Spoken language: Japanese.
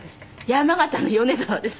山形の米沢です。